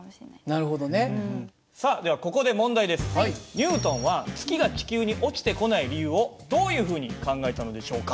ニュートンは月が地球に落ちてこない理由をどういうふうに考えたのでしょうか？